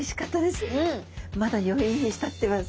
まだ余韻に浸ってます。